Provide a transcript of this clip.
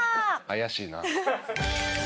怪しいな。